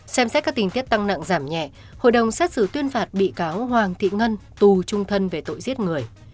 xem xét các tình tiết tăng nặng giảm nhẹ hội đồng xét xử tuyên phạt bị cáo hoàng thị ngân tù trung thân về tội giết người